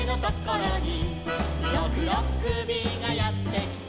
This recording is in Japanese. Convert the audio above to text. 「ろくろっくびがやってきた」